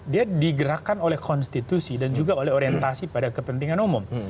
dia digerakkan oleh konstitusi dan juga oleh orientasi pada kepentingan umum